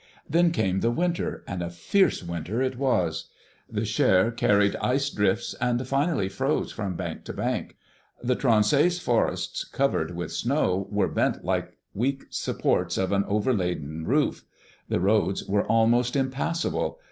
Then came the winter, and a fierce winter it was. The Cher carried ice drifts, and finally froze from bank to bank. The Tronsays forests, covered with snow, were bent like the weak supports of an overladen roof. The roads were almost impassable.